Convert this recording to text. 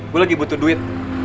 gue lagi butuh duit